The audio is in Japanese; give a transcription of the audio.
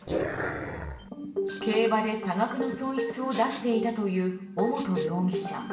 競馬で多額の損失を出していたという尾本容疑者。